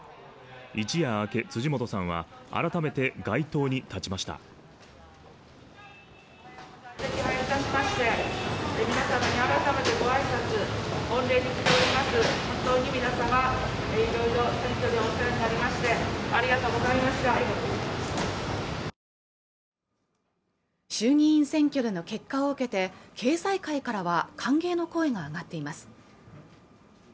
一夜明け辻本さんは改めて街頭に立ちました衆議院選挙での結果を受けて経済界からは歓迎の声が上がっています